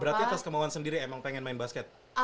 berarti atas kemauan sendiri emang pengen main basket